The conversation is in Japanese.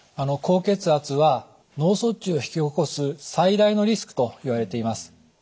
高血圧は脳卒中を引き起こす最大のリスクといわれています。